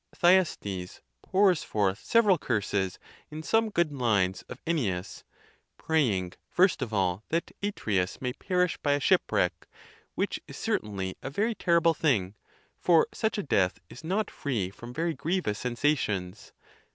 Thyestes pours forth several curses in some good lines of Ennius, praying, first ef all, that Atreus may perish by a shipwreck, which is certainly a very terrible thing, for such a death is not free from very grievous sensations.